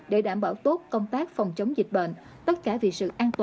để đảm bảo tốt công tác phòng chống dịch bệnh tất cả vì sự an toàn của người dân